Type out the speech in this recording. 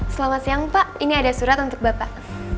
selamat siang pak ini ada surat untuk bapak